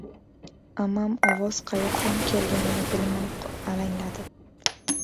Ammam ovoz qayoqdan kelganini bilmay alangladi.